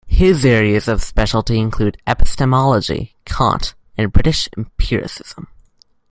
His areas of specialty include epistemology, Kant, and British empiricism.